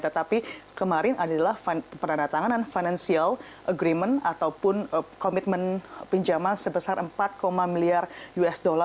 tetapi kemarin adalah penandatanganan financial agreement ataupun komitmen pinjaman sebesar empat miliar usd